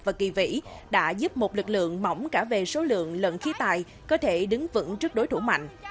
và kỳ vĩ đã giúp một lực lượng mỏng cả về số lượng lận khí tài có thể đứng vững trước đối thủ mạnh